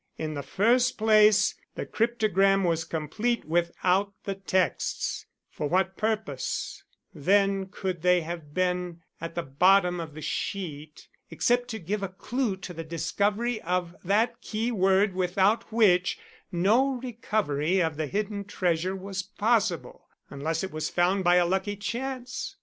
In the first place, the cryptogram was complete without the texts; for what purpose, then, could they have been at the bottom of the sheet except to give a clue to the discovery of that keyword without which no recovery of the hidden treasure was possible, unless it was found by a lucky chance?